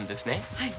はい。